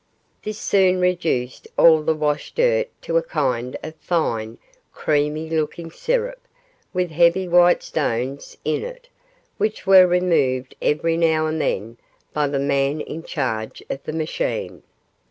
This soon reduced all the wash dirt to a kind of fine, creamy looking syrup, with heavy white stones in it, which were removed every now and then by the man in charge of the machine.